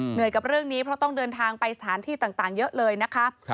กับเรื่องนี้เพราะต้องเดินทางไปสถานที่ต่างเยอะเลยนะคะ